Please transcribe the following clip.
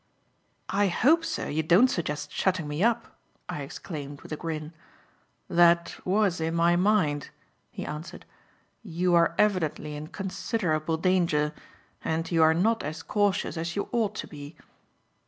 "I hope, sir, you don't suggest shutting me up," I exclaimed with a grin. "That was in my mind," he answered. "You are evidently in considerable danger, and you are not as cautious as you ought to be."